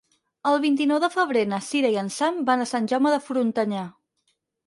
El vint-i-nou de febrer na Sira i en Sam van a Sant Jaume de Frontanyà.